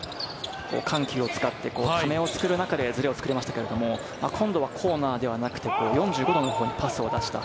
緩急を使って、ためを作る中でズレを作りましたけれども、今度はコーナーではなくて４５度のパスを出した。